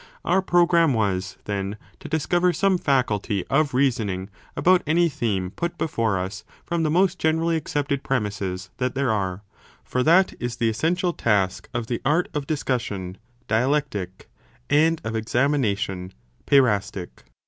Our programme was, then, to discover some faculty of reasoning about any theme put before us from the most generally accepted premisses that there are. For that is the essential task of the art of discussion (dialectic) and of examination (peirastic).